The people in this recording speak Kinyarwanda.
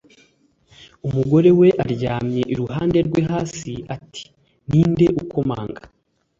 umugore we aryamye iruhande rwe hasi ati 'ninde ukomanga